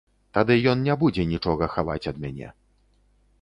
Тады ён не будзе нічога хаваць ад мяне.